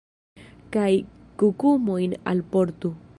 Kaj kukumojn alportu.